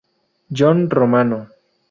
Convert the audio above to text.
John Romano.